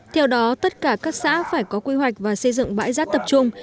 theo đó tất cả các xã phải có quy hoạch và xây dựng bãi rác tập trung